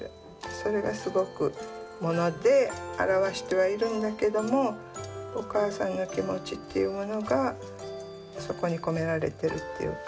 それがすごくもので表してはいるんだけどもお母さんの気持ちっていうものがそこに込められてるっていうか。